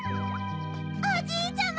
おじいちゃま！